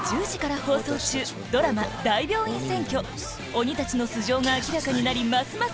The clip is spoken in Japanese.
鬼たちの素性が明らかになりますます